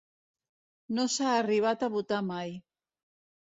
No s’ha arribat a votar mai.